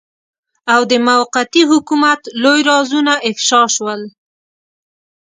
او د موقتي حکومت لوی رازونه افشاء شول.